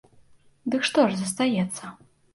Дык што ж застаецца?